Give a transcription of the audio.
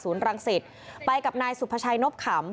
ศูนย์รังศิษย์ไปกับนายสุภาชัยนบขำ